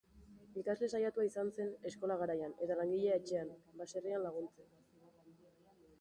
Ikasle saiatua izan zen eskola garaian, eta langilea etxean, baserrian laguntzen.